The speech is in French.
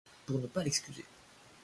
Pour ne pas l’excuser.